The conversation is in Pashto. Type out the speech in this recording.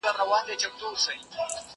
له عالمه ووزه، له نرخه ئې مه وزه.